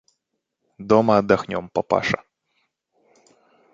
Дома отдохнем, папаша.